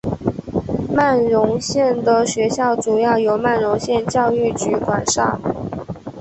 曼绒县的学校主要由曼绒县教育局管辖。